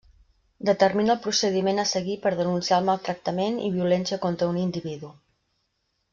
Determina el procediment a seguir per denunciar el maltractament i violència contra un individu.